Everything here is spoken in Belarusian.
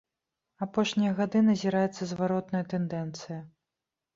Апошнія гады назіраецца зваротная тэндэнцыя.